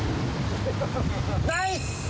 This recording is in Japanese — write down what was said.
ナイス！